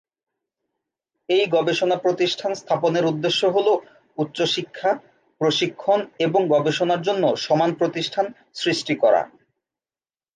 এই গবেষণা প্রতিষ্ঠান স্থাপনের উদ্দেশ্য হল উচ্চ শিক্ষা, প্রশিক্ষণ এবং গবেষণার জন্য সমান প্রতিষ্ঠান সৃষ্টি করা।